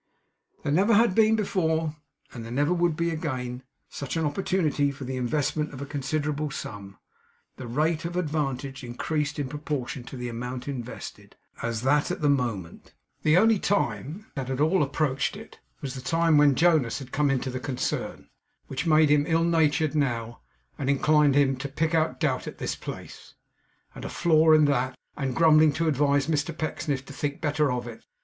There never had been before, and there never would be again, such an opportunity for the investment of a considerable sum (the rate of advantage increased in proportion to the amount invested), as at that moment. The only time that had at all approached it, was the time when Jonas had come into the concern; which made him ill natured now, and inclined him to pick out a doubt in this place, and a flaw in that, and grumbling to advise Mr Pecksniff to think better of it.